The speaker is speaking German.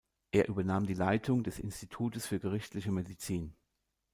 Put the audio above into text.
Er übernahm die Leitung des Institutes für Gerichtliche Medizin.